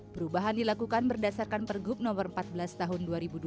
perubahan dilakukan berdasarkan pergub no empat belas tahun dua ribu dua puluh